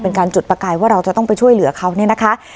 เป็นการจุดประกายว่าเราจะต้องไปช่วยเหลือเขาเนี่ยนะคะ